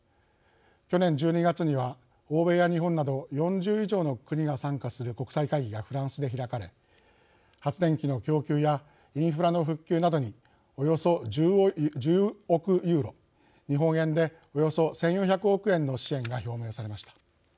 去年１２月には、欧米や日本など４０以上の国が参加する国際会議がフランスで開かれ発電機の供給やインフラの復旧などにおよそ１０億ユーロ日本円でおよそ１４００億円の支援が表明されました。